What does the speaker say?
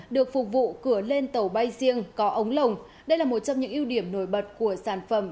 được phục vụ cửa lên tàu bay riêng có ống lồng đây là một trong những ưu điểm nổi bật của sản phẩm